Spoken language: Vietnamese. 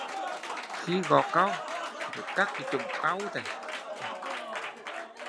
Khi gọt cau phải cắt chũm cau